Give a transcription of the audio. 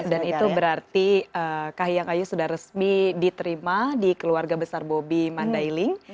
dan itu berarti kahiyang ayu sudah resmi diterima di keluarga besar bobi mandailing